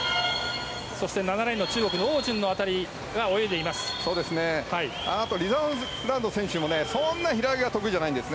そして７レーンの中国のオウ・ジュン選手が泳いでいます。